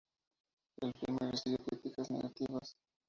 El filme recibió críticas negativas.